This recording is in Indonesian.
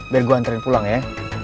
biar gue antren pulang ya